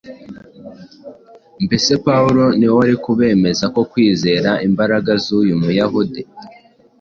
Mbese Pawulo ni we wari kubemeza ko kwizera imbaraga z’uyu Muyahudi